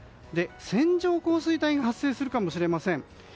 線状降水帯が発生するかもしれません。